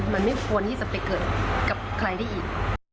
มันไม่ควรที่จะไปเกิดกับใครได้อีก